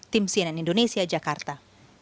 tim sienan indonesia jakarta